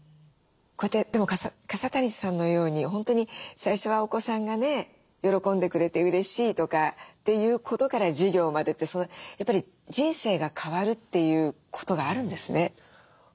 こうやって笠谷さんのように本当に最初はお子さんがね喜んでくれてうれしいとかっていうことから事業までってやっぱり人生が変わるっていうことがあるんですね。